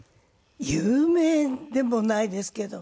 有名でもないですけど。